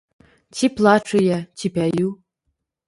Ці плачу я, ці пяю?